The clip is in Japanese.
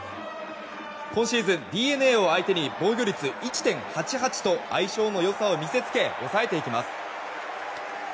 今シーズン、ＤｅＮＡを相手に防御率１．８８と相性の良さを見せつけ抑えていきます。